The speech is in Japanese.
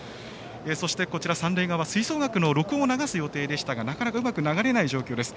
そして、三塁側吹奏楽の録音を流す予定でしたがなかなかうまく流れない状況です。